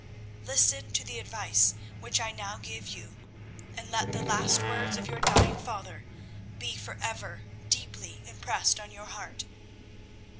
Listen to the advice which I now give you, and let the last words of your dying father be for ever deeply impressed on your heart.